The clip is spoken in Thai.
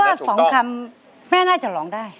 คิดว่า๒คำแม่น่าจะร้องได้